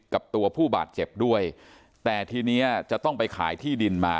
กับตัวผู้บาดเจ็บด้วยแต่ทีนี้จะต้องไปขายที่ดินมา